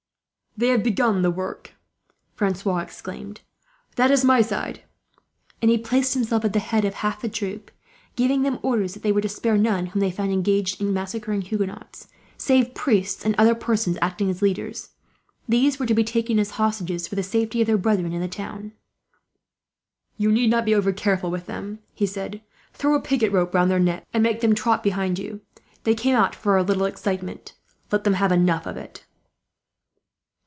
"They have begun the work!" Francois exclaimed. "That is my side!" And he placed himself at the head of half the troop, giving them orders that they were to spare none whom they found engaged in massacring Huguenots, save priests and other persons acting as leaders. These were to be taken as hostages, for the safety of their brethren in the town. "You need not be over careful with them," he said. "Throw a picket rope round their necks, and make them trot beside you. They came out for a little excitement, let them have enough of it."